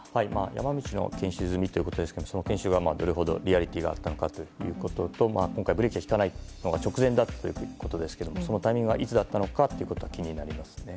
山道の研修は済みということですがその研修はどれほどリアリティーがあったのかということと今回、ブレーキが利かなくなったのが直前だったということですがそのタイミングはいつだったのかが気になりますね。